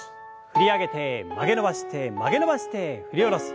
振り上げて曲げ伸ばして曲げ伸ばして振り下ろす。